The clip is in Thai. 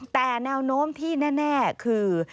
แต่แนวโน้มที่แน่คือ